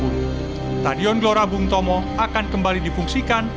stadion gelora bung tomo akan kembali difungsikan